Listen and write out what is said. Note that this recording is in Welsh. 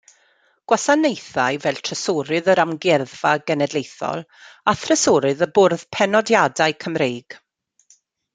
Gwasanaethai fel trysorydd yr Amgueddfa Genedlaethol; a thrysorydd y Bwrdd Penodiadau Cymreig.